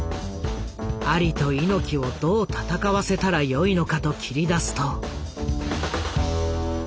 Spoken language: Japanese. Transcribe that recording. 「アリと猪木をどう戦わせたらよいのか」と切り出すと。